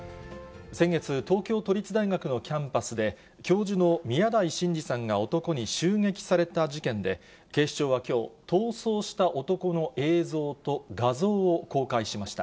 先月、東京都立大学のキャンパスで、教授の宮台真司さんが男に襲撃された事件で、警視庁はきょう、逃走した男の映像と画像を公開しました。